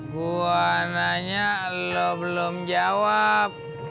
gue nanya lu belum jawab